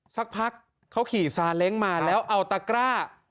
สักพักเขาขี่ซาเล้งมาแล้วเอาตะกร้า